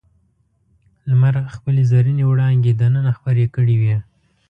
لمر خپلې زرینې وړانګې دننه خپرې کړې وې.